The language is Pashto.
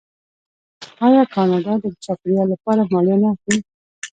آیا کاناډا د چاپیریال لپاره مالیه نه اخلي؟